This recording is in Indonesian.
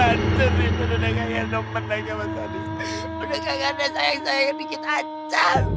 aduh sani lo gak ada sayang sayang dikit aja